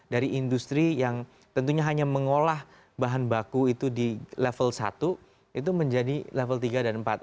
dari industri yang tentunya hanya mengolah bahan baku itu di level satu itu menjadi level tiga dan empat